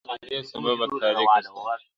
له دې سببه تاریکه ستایمه,